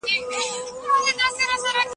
د تاریخ مطالعه له موږ سره په قضاوت کي مرسته کوي.